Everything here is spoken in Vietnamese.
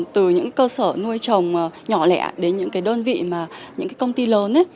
từ những cơ sở nuôi trồng nhỏ lẻ đến những đơn vị những công ty lớn